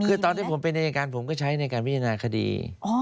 คือตอนที่ผมเป็นอายการผมก็ใช้ในการพิจารณาคดี